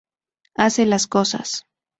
Hace las cosas'.